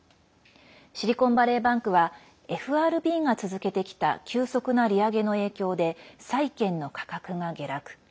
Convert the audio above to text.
シリコンバレーバンクはＦＲＢが続けてきた急速な利上げの影響で債権の価格が下落。